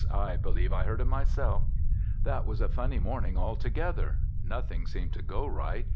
I believe I heard 'em myself.' "That was a funny morning altogether: nothing seemed to go right.